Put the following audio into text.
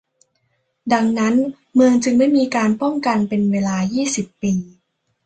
ดังนั้นเมืองจึงไม่มีการป้องกันเป็นเวลายี่สิบปี